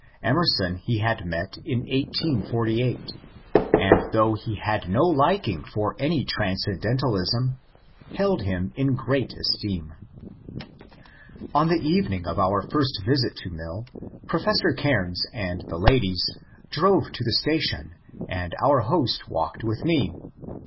^/Emerson he had met in 1848, and though he had no likingfor any transcendentalism, held him in great esteem^ On the evening of our first visit to Mill, Professor Caimes and the ladies drove to the station and our host walked with me.